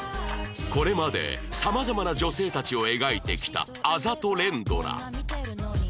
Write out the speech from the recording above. これまで様々な女性たちを描いてきたあざと連ドラ